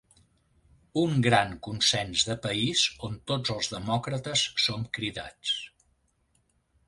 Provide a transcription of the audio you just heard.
Un gran consens de país on tots els demòcrates som cridats.